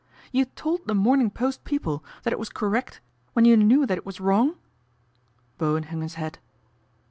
" You told The Morning Post people that it was correct when you knew that it was wrong ?" Bowen hung his head.